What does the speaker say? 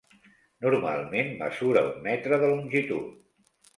Normalment mesura un metre de longitud.